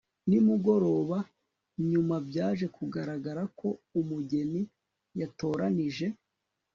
nimugoroba. nyuma byaje kugaragara ko umugeni yatoranije